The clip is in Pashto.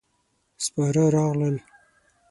سپاره راغلل.